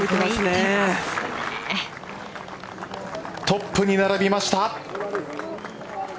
トップに並びました。